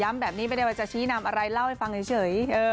แบบนี้ไม่ได้ว่าจะชี้นำอะไรเล่าให้ฟังเฉย